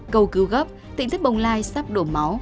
cầu cứu gấp tỉnh thất bồng lai sắp đổ mỏ